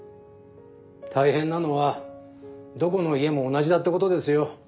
大変なのはどこの家も同じだってことですよ。